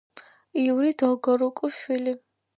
იური დოლგორუკის შვილი.